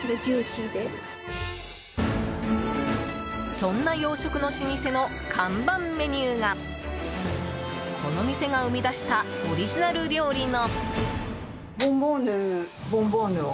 そんな洋食の老舗の看板メニューがこの店が生み出したオリジナル料理の。